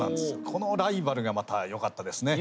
このライバルがまたよかったですね。